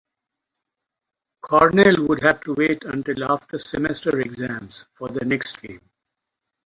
Cornell would have to wait until after semester exams for their next game.